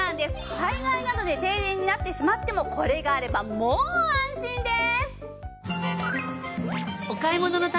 災害などで停電になってしまってもこれがあればもう安心です！